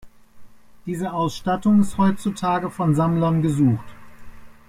Diese Ausstattung ist heutzutage von Sammlern gesucht.